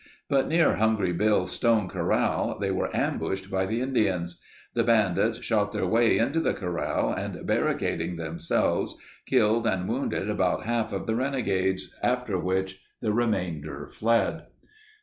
But near Hungry Bill's stone corral they were ambushed by the Indians. The bandits shot their way into the corral and barricading themselves, killed and wounded about half of the renegades, after which the remainder fled.